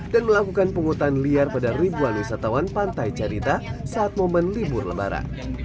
dan melakukan penghutan liar pada ribuan wisatawan pantai carita saat momen libur lembara